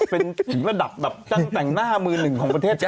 เป็นถึงระดับแบบช่างแต่งหน้ามือหนึ่งของประเทศเจ